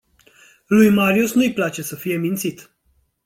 Lui marius nu-i place să fie mințit.